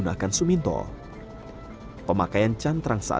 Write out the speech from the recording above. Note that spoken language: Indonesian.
jadi kita percayahan secara tukang tukang